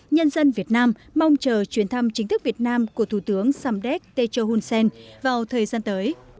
nhân dân việt nam mong chờ chuyển thăm chính thức việt nam của thủ tướng sam dek techo hun sen vào thời gian tới